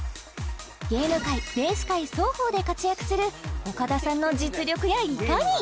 ゲーム界レース界双方で活躍する岡田さんの実力やいかに？